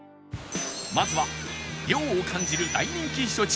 まずは涼を感じる大人気避暑地